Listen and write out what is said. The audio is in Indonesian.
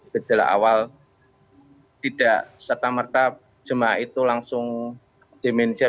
gejala awal tidak serta merta jemaah itu langsung demensia